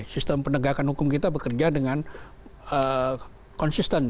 sistem penegakan hukum kita bekerja dengan konsisten